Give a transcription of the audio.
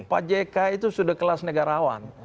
pak jk itu sudah kelas negarawan